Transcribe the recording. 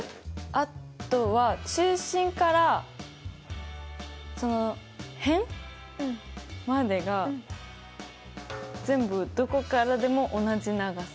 あとは中心からその辺までが全部どこからでも同じ長さ。